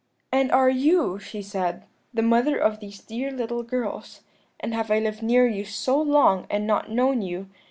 "'And are you,' she said, 'the mother of these dear little girls? and have I lived near you so long and not known you?